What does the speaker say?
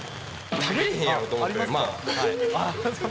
食べられへんやろと思って。